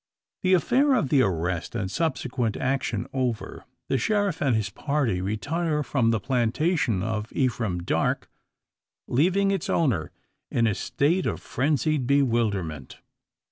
The affair of the arrest and subsequent action over, the sheriff and his party retire from the plantation of Ephraim Darke, leaving its owner in a state of frenzied bewilderment.